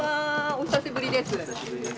お久しぶりです。